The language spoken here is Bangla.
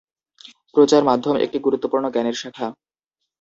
প্রচার মাধ্যম একটি গুরুত্বপূর্ণ জ্ঞানের শাখা।